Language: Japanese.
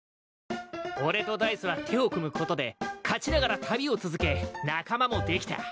俺とダイスは手を組むことで勝ちながら旅を続け仲間もできた。